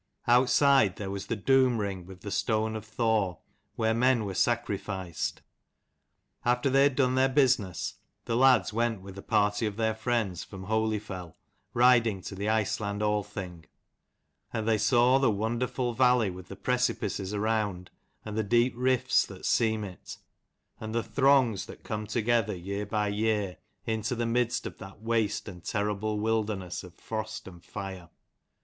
Outside there was the doom ring with the stone of Thor, where men were sacrificed. After they had done their business, the lads went with a party of their friends from Holyfell, riding to the Iceland Althing ; and they saw the wonderful valley with the preci pices around and the deep rifts that seam it, and the throngs that come together year by Y 185 year into the midst of that waste and terrible wilderness of frost and fire.